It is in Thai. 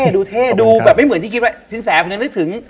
ดูเท่ดูแบบไม่เหมือนที่คิดว่าสินแสผมยังนึกถึง